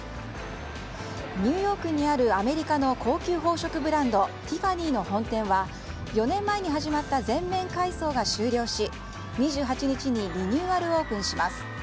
ニューヨークにあるアメリカの高級宝飾ブランドティファニーの本店は４年前に始まった全面改装が終了し、２８日にリニューアルオープンします。